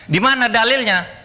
di mana dalilnya